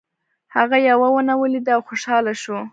هغه یوه ونه ولیده او خوشحاله شو.